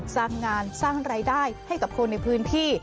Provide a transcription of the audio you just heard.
สร้างงานสร้างรายได้ให้กับคนในพื้นที่